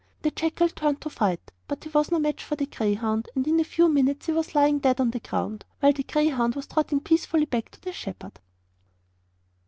The jackal turned to fight, but he was no match for the greyhound, and in a few minutes he was lying dead on the ground, while the greyhound was trotting peacefully back to the shepherd.